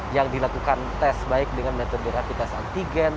yang dilakukan tes baik dengan metode rapid test antigen